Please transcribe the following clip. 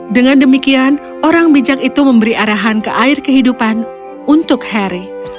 dengan demikian orang bijak itu memberi arahan ke air kehidupan untuk harry